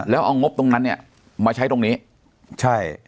แล้วเอางบตรงนั้นเนี่ยมาใช้ตรงนี้ใช่